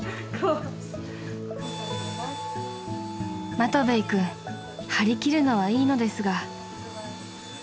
［マトヴェイ君張り切るのはいいのですが］